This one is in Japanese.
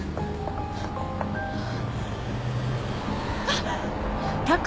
あっ！